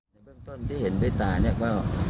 ในเบื้องต้นที่เห็นด้วยตาเนี่ยก็